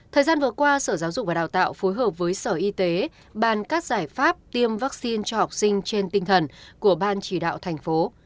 thời gian vừa qua sở giáo dục và đào tạo phối hợp với sở y tế bàn các giải pháp tiêm vaccine cho học sinh trên tinh thần của ban chỉ đạo thành phố